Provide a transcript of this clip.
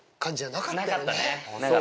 なかったね。